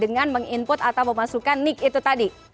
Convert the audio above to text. dengan meng input atau memasukkan nick itu tadi